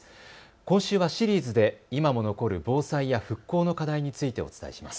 今週はシリーズで今も残る防災や復興の課題についてお伝えします。